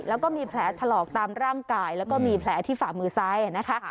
แล้วก็มีแผลถลอกตามร่างกายแล้วก็มีแผลที่ฝ่ามือซ้ายนะคะ